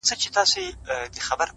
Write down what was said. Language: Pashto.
زړه دودومه زړه د حُسن و لمبو ته سپارم’